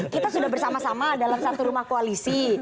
kita sudah bersama sama dalam satu rumah koalisi